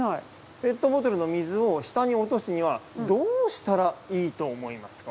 ペットボトルの水を下に落とすにはどうしたらいいと思いますか？